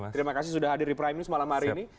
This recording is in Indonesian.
terima kasih sudah hadir di prime news malam hari ini